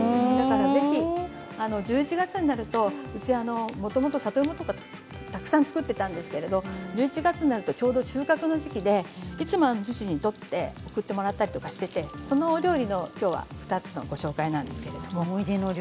だからぜひ１１月になるとうちはもともと、里芋とかたくさん作っていたんですけれど１１月になるとちょうど収穫の時期でいつも取って送ってもらったりしていてそのお料理の２つなんですけれども。